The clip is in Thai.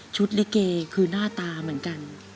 ลิเกคือหน้าตาเหมือนกัน